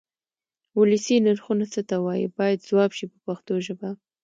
ولسي نرخونه څه ته وایي باید ځواب شي په پښتو ژبه.